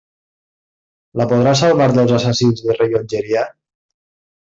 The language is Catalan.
La podrà salvar dels assassins de rellotgeria?